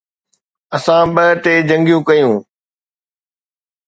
اسان ٻه ٽي جنگيون ڪيون.